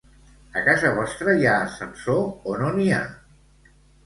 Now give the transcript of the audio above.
A casa vostra hi ha ascensor o no n'hi ha?